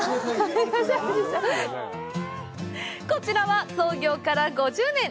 こちらは、創業から５０年。